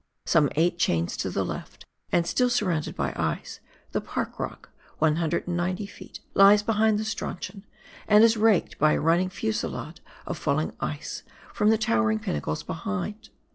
Some eight chains to the left and still surrounded by ice, the " Park " Rock, 190 ft., lies behind the " Strauchon," and is raked by a running fusilade of falling ice from the towering pinnacles behind.